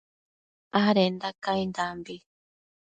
adenda caindambi